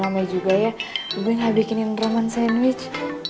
gak lama juga ya gue gak bikinin roman sandwich